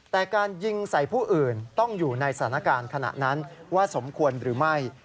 แต่การยิงใส่ผู้อื่นต้องอยู่ในสถานการณ์ขณะนั้นว่าสมควรหรือไม่